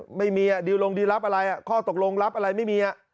กระบวนต่างจากดีลงดิรับอะไรอ่ะข้อตกรงรับอะไรไม่มีอ่ะ